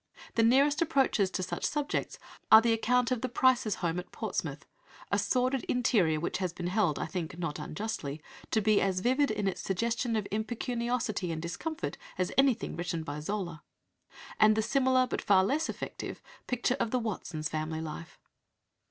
The nearest approaches to such subjects are the account of the Prices' home at Portsmouth (a sordid interior which has been held, I think not unjustly, to be as vivid in its suggestion of impecuniosity and discomfort as anything written by Zola), and the similar, but far less effective, picture of the Watsons' family life.